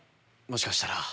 もしかしたら。